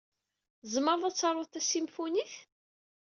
Tzemreḍ ad taruḍ tasimfunit?